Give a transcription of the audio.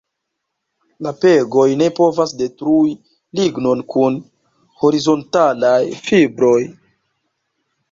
La pegoj ne povas detrui lignon kun horizontalaj fibroj.